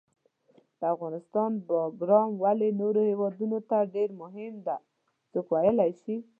د افغانستان باګرام ولې نورو هیوادونو ته ډېر مهم ده، څوک ویلای شي؟